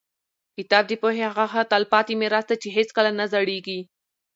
کتاب د پوهې هغه تلپاتې میراث دی چې هېڅکله نه زړېږي.